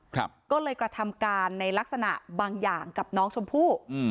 ก็เลยกระทำการในลักษณะบางอย่างกับน้องชมพู่อืม